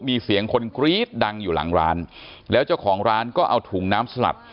มีเสียงคนกรี๊ดดังอยู่หลังร้านแล้วเจ้าของร้านก็เอาถุงน้ำสลัด